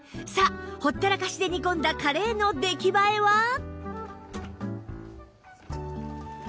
さあほったらかしで煮込んだカレーの出来栄えは？